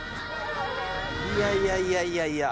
いやいやいやいや。